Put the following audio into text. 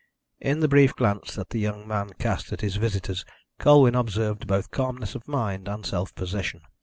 In the brief glance that the young man cast at his visitors Colwyn observed both calmness of mind and self possession.